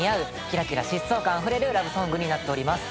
キラキラ疾走感あふれるラブソングになっております。